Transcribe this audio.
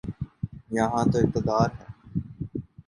یہاں تو اقتدار ہے۔